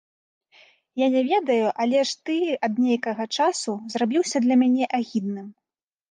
Я не ведаю, але ж ты ад нейкага часу зрабіўся для мяне агідным.